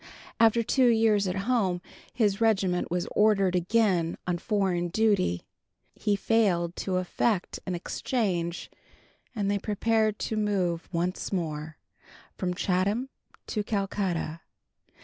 After two years at home his regiment was ordered again on foreign duty. He failed to effect an exchange, and they prepared to move once more from Chatham to Calcutta.